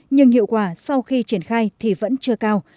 nhưng hiệu quả sau khi triển khai thì vẫn chưa cao